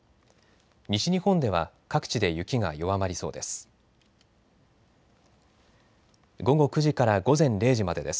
西日本では各地で雪が弱まりそうです。